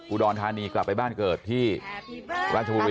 อุดรธานีกลับไปบ้านเกิดที่ราชบุรี